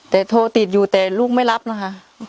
แต่โทรติดอยู่แต่ลูกไม่รับนะคะ